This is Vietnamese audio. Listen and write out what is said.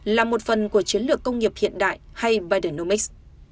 là một phần của chiến lược công nghiệp hiện đại hay bidenomics